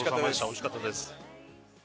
おいしかったです。